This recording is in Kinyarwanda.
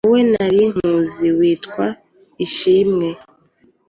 wowe nari nkuzi witwa Ishimwe’,